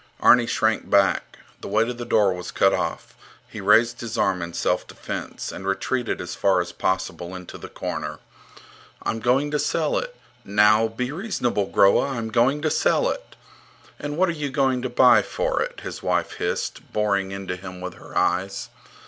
Arni shrank back. The way to the door was cut off. He raised his arm in self defence and retreated as far as possible into the corner. I'm going to sell it. Now be reasonable, Groa. I'm going to sell it. And what are you going to buy for it? his wife hissed, boring into him with her eyes.